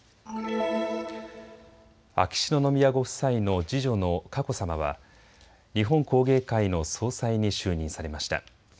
秋篠宮ご夫妻の次女の佳子さまは日本工芸会の総裁に就任されました。